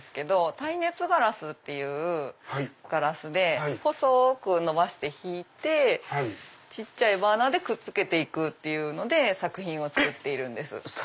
耐熱ガラスっていうガラスで細くのばして引いて小っちゃいバーナーでくっつけて作品を作っているんです。